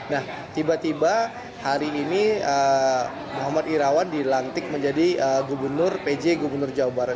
nah tiba tiba hari ini muhammad irawan dilantik menjadi gubernur pj gubernur jawa barat